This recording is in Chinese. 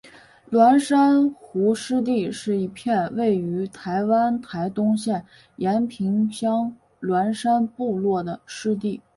鸾山湖湿地是一片位于台湾台东县延平乡鸾山部落的湿地。